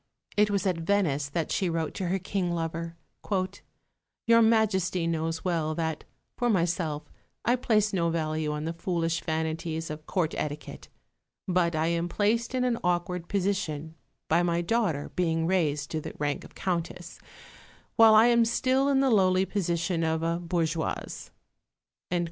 It was at Venice that she wrote to her King lover, "Your Majesty knows well that, for myself, I place no value on the foolish vanities of Court etiquette; but I am placed in an awkward position by my daughter being raised to the rank of Countess, while I am still in the lowly position of a bourgeoise."